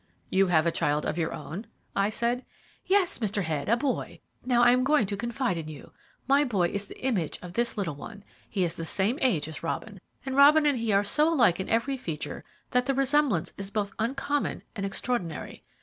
"You have a child of your own?" I said. "Yes, Mr. Head, a boy. Now, I am going to confide in you. My boy is the image of this little one. He is the same age as Robin, and Robin and he are so alike in every feature that the resemblance is both uncommon and extraordinary.